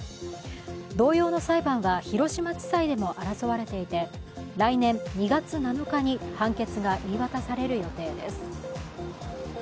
同様の裁判は広島地裁でも争われていて来年２月７日に判決が言い渡される予定です。